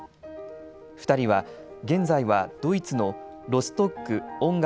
２人は現在はドイツのロストック音楽